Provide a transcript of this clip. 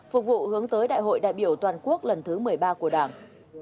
phục vụ hướng tới đại hội đại biểu toàn quốc lần thứ một mươi ba của đảng